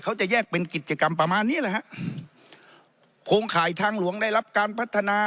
เขาจะแยกเป็นกิจกรรมประมาณนี้แหละฮะโครงข่ายทางหลวงได้รับการพัฒนา